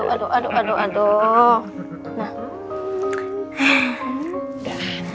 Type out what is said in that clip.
aduh aduh aduh